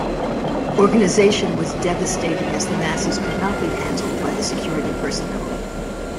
Organization was devastating as the masses could not be handled by the security personnel.